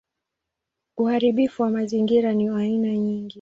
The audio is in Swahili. Uharibifu wa mazingira ni wa aina nyingi.